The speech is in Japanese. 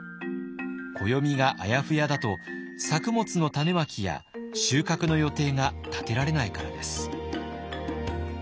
暦があやふやだと作物の種まきや収穫の予定が立てられないからです。